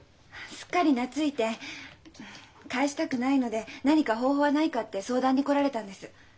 すっかり懐いて返したくないので何か方法はないかって相談に来られたんです。